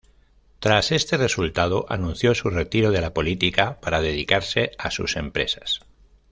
Tras este resultado anunció su retiro de la política para dedicarse a sus empresas.